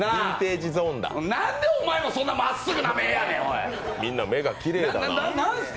なんで、お前もそんなまっすぐな目なんや。